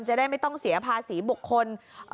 จะได้ไม่ต้องเสียภาษีบุคคล